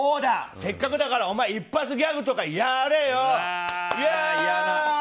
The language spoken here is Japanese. せっかくなんだから一発ギャグとかやれよ。